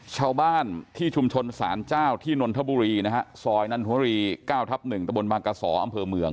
ชาวบ้านที่ชุมชนสารเจ้าที่นนทบุรีนะฮะซอยนันทวรี๙ทับ๑ตะบนบางกระสออำเภอเมือง